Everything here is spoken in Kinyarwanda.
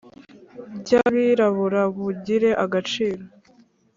bw’Abirabura bugire agaciro